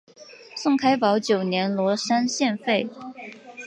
宋开宝九年罗山县废。